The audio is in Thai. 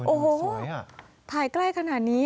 โอ้โหถ่ายใกล้ขนาดนี้